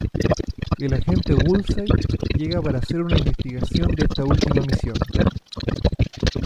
El agente Woolsey llega para hacer una investigación de esta última misión.